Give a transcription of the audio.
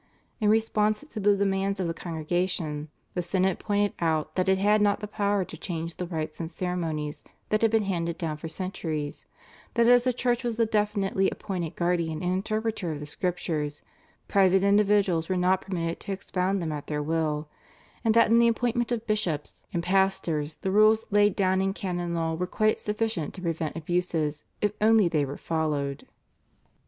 In response to the demands of the Congregation the synod pointed out that it had not the power to change the rites and ceremonies that had been handed down for centuries, that as the Church was the definitely appointed guardian and interpreter of the Scriptures private individuals were not permitted to expound them at their will, and that in the appointment of bishops and pastors the rules laid down in canon law were quite sufficient to prevent abuses if only they were followed.